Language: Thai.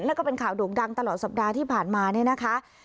แล้วก็เป็นข่าวโด่งดังตลอดสัปดาห์ที่ผ่านมาเนี่ยนะคะ